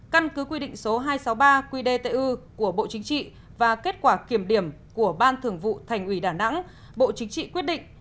căn cứ quy định số hai trăm sáu mươi ba qdtu của bộ chính trị và kết quả kiểm điểm của ban thường vụ thành ủy đà nẵng bộ chính trị quyết định